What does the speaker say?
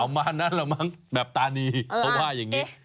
ประมาณนั้นแหละมั้งแบบตานีเขาว่าอย่างนี้